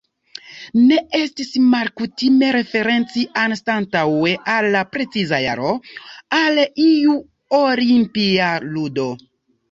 Ne estis malkutime referenci, anstataŭe al la preciza jaro, al iu Olimpia ludo.